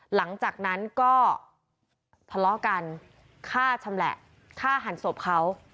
หลังจากนั้นก็ทะเลาะกันฆ่าชำแหละฆ่าหันศพเขา